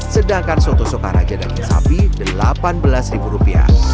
sedangkan soto sukaraja daging sapi rp delapan belas